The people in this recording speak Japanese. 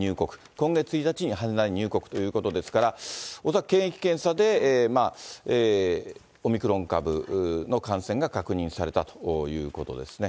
今月１日に羽田に入国ということですから、恐らく検疫検査で、オミクロン株の感染が確認されたということですね。